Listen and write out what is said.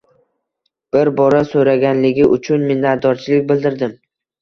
Bir bora so‘raganligi uchun minnatdorchilik bildirdim.